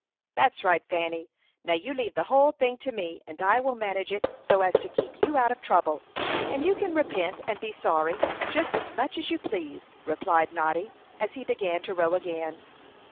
"That's right, Fanny. Now, you leave the whole thing to me, and I will manage it so as to keep you out of trouble; and you can repent and be sorry just as much as you please," replied Noddy, as he began to row again.